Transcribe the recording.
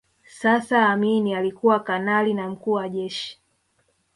Sasa Amin alikuwa kanali na Mkuu wa Jeshi